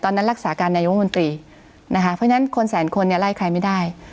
ตอนนั้นรักษาการนายวมนตรีเพราะฉะนั้นคนแสนคนไล่ใครไม่ได้